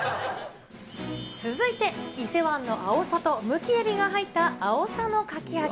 続いて伊勢湾のあおさとむきえびが入ったあおさのかき揚げ。